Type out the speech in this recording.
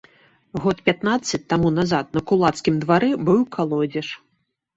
Год пятнаццаць таму назад на кулацкім двары быў калодзеж.